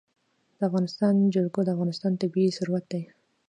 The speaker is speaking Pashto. د افغانستان جلکو د افغانستان طبعي ثروت دی.